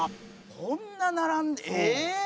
こんな並んでええー！